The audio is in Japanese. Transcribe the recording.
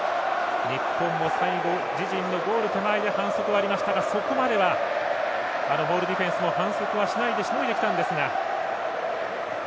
自陣のゴール手前で反則はありましたがそこまではモールディフェンスも反則はしないでしのいできたんですが。